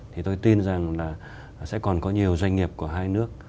thì tôi tin rằng là sẽ còn có nhiều doanh nghiệp của hai nước